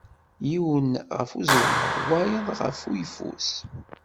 Yiwen ɣef uẓelmaḍ wayeḍ ɣef uyeffus.